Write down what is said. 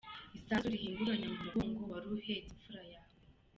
Isasu rihinguranya mu mugongo wari uhetse infura yawe